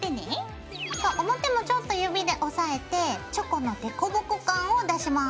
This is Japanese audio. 表もちょっと指で押さえてチョコの凸凹感を出します。